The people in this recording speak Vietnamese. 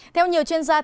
theo nhiều chuyên gia